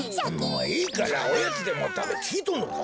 もういいからおやつでもたべきいとんのか？